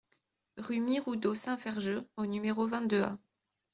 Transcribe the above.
Rue Miroudot Saint-Ferjeux au numéro vingt-deux A